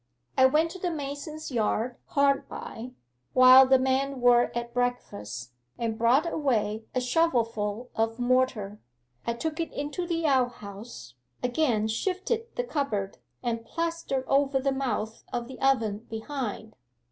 'I went to the mason's yard hard by, while the men were at breakfast, and brought away a shovelful of mortar. I took it into the outhouse, again shifted the cupboard, and plastered over the mouth of the oven behind.